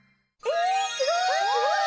えすごい！